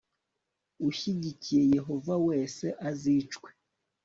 ushyigikiye yehova wese azicwe